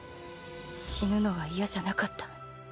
死ぬのは嫌じゃなかった